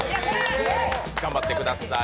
頑張ってください。